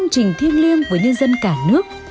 trình thiêng liêng với nhân dân cả nước